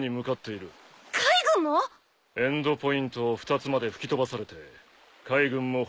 エンドポイントを２つまで吹き飛ばされて海軍も本気を出してくる。